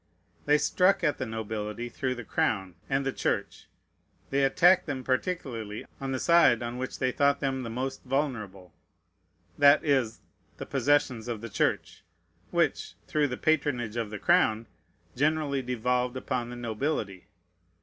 They struck at the nobility through the crown and the Church. They attacked them particularly on the side on which they thought them the most vulnerable, that is, the possessions of the Church, which, through the patronage of the crown, generally devolved upon the nobility.